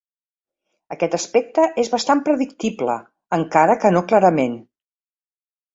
Aquest aspecte és bastant predictible, encara que no clarament.